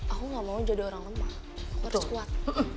aku nggak mau jadi orang lemah aku harus kuat